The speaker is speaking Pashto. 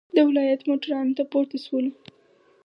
د ولایت موټرانو ته پورته شولو.